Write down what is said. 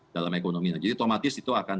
dalam ekonominya jadi otomatis itu akan